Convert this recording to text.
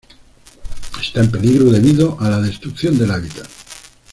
Está en peligro debido a la destrucción del hábitat.